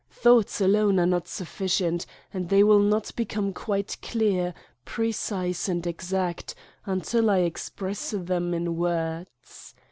Thoughts alone are not suf ficient, and they will not become quite clear, pre cise and exact until I express them in words.